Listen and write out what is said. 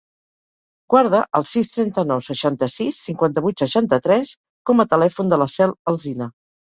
Guarda el sis, trenta-nou, seixanta-sis, cinquanta-vuit, seixanta-tres com a telèfon de la Cel Alsina.